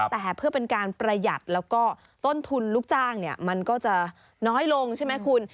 แต่เพื่อเป็นการประหยัดแล้วก็ต้นทุนลูกจ้างมันก็จะน้อยลงใช่ไหมคุณ